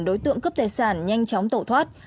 đối tượng cướp tài sản nhanh chóng tổ thoát